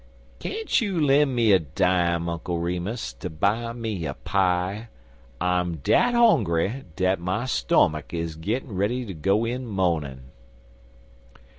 Can't you lend me a dime, Uncle Remus, to buy me a pie? I'm dat hongry dat my stomach is gittin' ready to go in mo'nin."